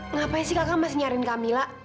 ngapain sih kakak masih nyariin kamila